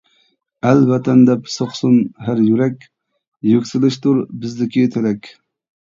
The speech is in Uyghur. ئەل ۋەتەن دەپ سوقسۇن ھەر يۈرەك، يۈكسىلىشتۇر بىزدىكى تىلەك.